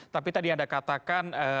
tapi tadi anda katakan